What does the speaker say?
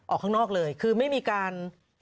ออกข้างนอกเลยคือไม่มีการ